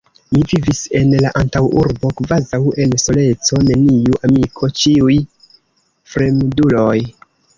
Mi vivis en la antaŭurbo kvazaŭ en soleco, neniu amiko, ĉiuj fremduloj!